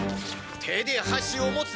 手で箸を持つでない！